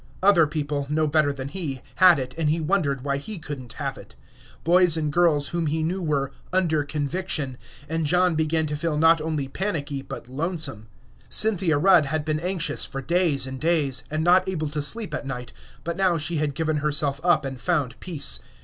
Other people, no better than he, had it, and he wondered why he could n't have it. Boys and girls whom he knew were "under conviction," and John began to feel not only panicky, but lonesome. Cynthia Rudd had been anxious for days and days, and not able to sleep at night, but now she had given herself up and found peace.